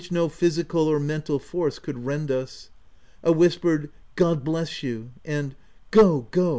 155 no physical or mental force could rend us. A whispered rc God bless you !" and " Go — go !"